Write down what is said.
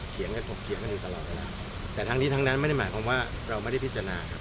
ถกเถียงกันอยู่ตลอดเวลาแต่ทั้งนี้ทั้งนั้นไม่ได้หมายความว่าเราไม่ได้พิจารณาครับ